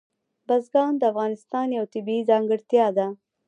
بزګان د افغانستان یوه طبیعي ځانګړتیا ده.